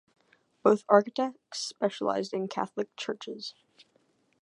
Both architects specialized in Catholic churches.